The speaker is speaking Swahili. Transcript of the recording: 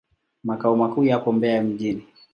Makao makuu yapo Mbeya mjini.